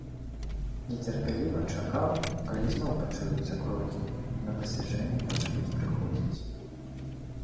Нецярпліва чакаў, калі зноў пачуюцца крокі, на пасяджэнне пачнуць прыходзіць.